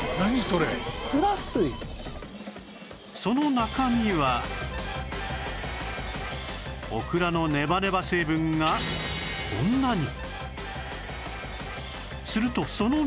その中身はオクラのネバネバ成分がこんなに